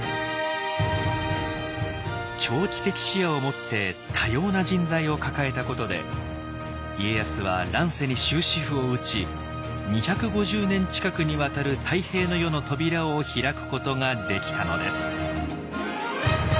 長期的視野をもって多様な人材を抱えたことで家康は乱世に終止符を打ち２５０年近くにわたる太平の世の扉を開くことができたのです。